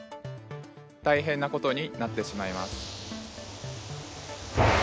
大変なことになってしまいます。